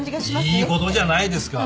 いいことじゃないですか。